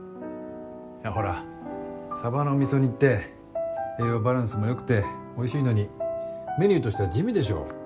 ほらサバの味噌煮って栄養バランスも良くておいしいのにメニューとしては地味でしょう。